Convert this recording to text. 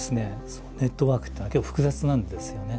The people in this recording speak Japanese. ネットワークっていうのは結構複雑なんですよね。